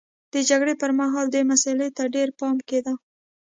د جګړې پرمهال دې مسئلې ته ډېر پام کېده.